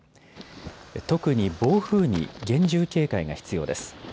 特に暴風に厳重警戒が必要です。